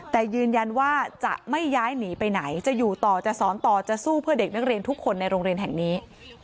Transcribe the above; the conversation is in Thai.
แต่ยืนยันว่าจะไม่ย้ายหนีไปไหนจะอยู่ต่อจะสอนต่อจะสู้เพื่อเด็กนักเรียนทุกคนในโรงเรียนแห่งนี้